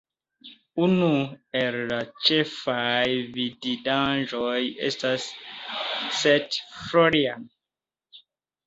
Unu el la ĉefaj vidindaĵoj estas St. Florian.